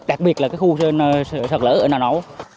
đặc biệt là khu sợt lỡ ở nà nẵng